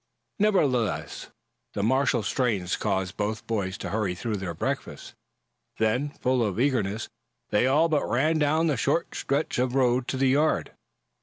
Nevertheless, the martial strains caused both boys to hurry through their breakfast. Then, full of eagerness, they all but ran down the short stretch of road to the yard.